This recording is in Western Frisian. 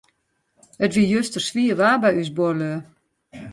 It wie juster swier waar by ús buorlju.